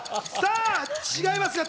違います。